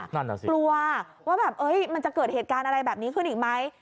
นั่นน่ะสิกลัวว่าแบบมันจะเกิดเหตุการณ์อะไรแบบนี้ขึ้นอีกไหม